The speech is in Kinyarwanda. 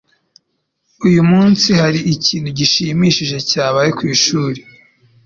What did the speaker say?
Uyu munsi, hari ikintu gishimishije cyabaye ku ishuri?